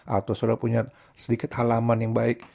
atau sudah punya sedikit halaman yang baik